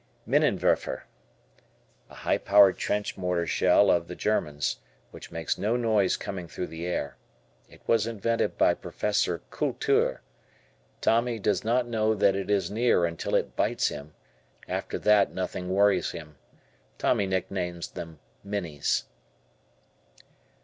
Minnenwerfer. A high power trench mortar shell of the Germans, which makes no noise coming through the air. It was invented by Professor Kultur. Tommy does not know what is near until it bites him; after that nothing worries him. Tommy nicknames them "Minnies."